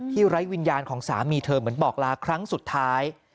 ไร้วิญญาณของสามีเธอเหมือนบอกลาครั้งสุดท้าย